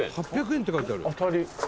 ８００円」８００円って書いてある。